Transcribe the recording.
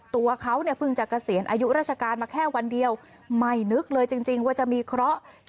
ตัวเขาเนี่ยเพิ่งจะเกษียณอายุราชการมาแค่วันเดียวไม่นึกเลยจริงว่าจะมีเคราะห์